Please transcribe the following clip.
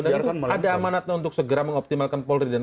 tapi dia udah ada amanat untuk segera mengoptimalkan polri dan